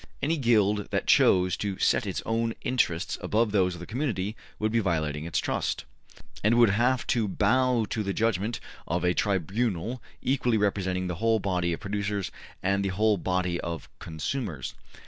Any Guild that chose to set its own interests above those of the community would be violating its trust, and would have to bow to the judgment of a tribunal equally representing the whole body of producers and the whole body of consumers.